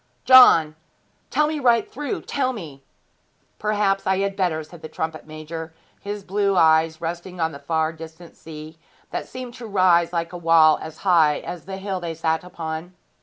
'John! Tell me right through tell me!' 'Perhaps I had better,' said the trumpet major, his blue eyes resting on the far distant sea, that seemed to rise like a wall as high as the hill they sat upon.